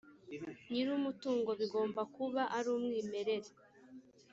nyir umutungo bigomba kuba ari umwimerere